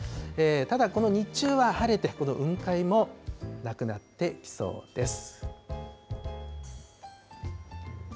ただこの日中は晴れて、この雲海もなくなっていきそうです。